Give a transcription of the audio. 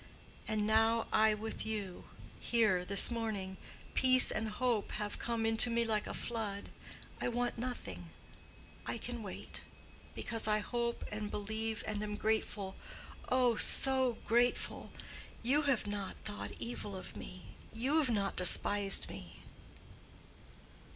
And now I with you—here—this morning, peace and hope have come into me like a flood. I want nothing; I can wait; because I hope and believe and am grateful—oh, so grateful! You have not thought evil of me—you have not despised me."